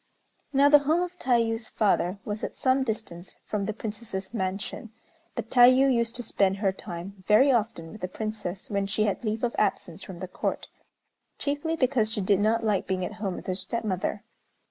Now, the home of Tayû's father was at some distance from the Princess's mansion; but Tayû used to spend her time very often with the Princess, when she had leave of absence from the Court, chiefly because she did not like being at home with her stepmother.